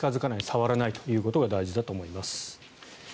触らないということが大事だと思います。